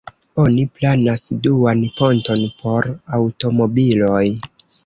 Oni planas duan ponton por aŭtomobiloj.